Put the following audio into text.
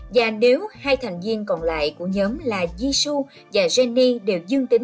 và nếu hai thành viên còn lại của nhóm là jisoo và jennie đều dừng mọi lệ trình